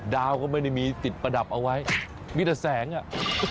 ดาวก็ไม่ได้มีติดประดับเอาไว้มีแต่แสงอ่ะ